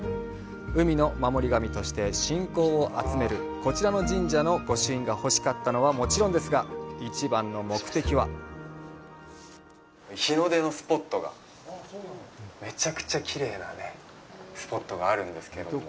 海の守り神として信仰を集めるこちらの神社のご朱印が欲しかったのはもちろんですが、一番の目的はめちゃくちゃきれいなね、スポットがあるんですけども。